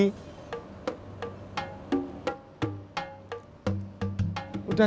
saya menjemput saudara sendiri